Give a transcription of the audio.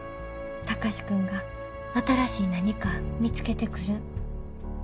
貴司君が新しい何か見つけてくるん楽しみや。